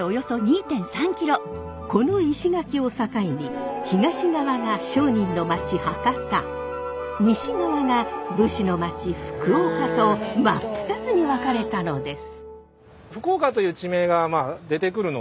この石垣を境に東側が商人の町博多西側が武士の町福岡と真っ二つに分かれたのです。